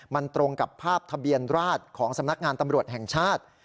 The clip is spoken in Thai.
มันตรงกับภาพทะเบียนราชของสำนักงานตำรวจแห่งชาติ